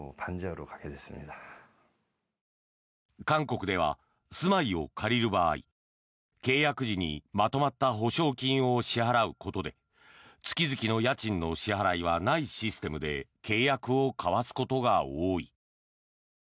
韓国では、住まいを借りる場合契約時にまとまった保証金を支払うことで月々の家賃の支払いはないシステムで契約を交わすことが多い。